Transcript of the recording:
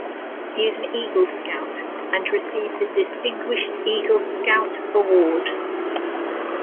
He is an Eagle Scout, and received the Distinguished Eagle Scout Award.